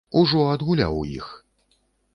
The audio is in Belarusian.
Ужо адгуляў у іх.